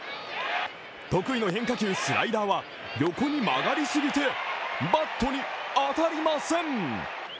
得意の変化球・スライダーは横に曲がりすぎてバットに当たりません。